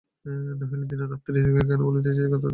নহিলে দিনরাত্রি তুমি কেন বলিতেছ যে, কথাটা প্রকাশ হইবেই।